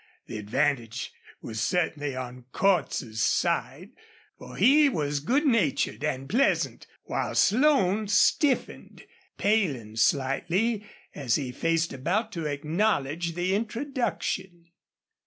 The advantage was certainly on Cordts's side, for he was good natured and pleasant while Slone stiffened, paling slightly as he faced about to acknowledge the introduction.